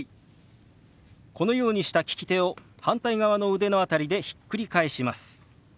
このようにした利き手を反対側の腕の辺りでひっくり返します。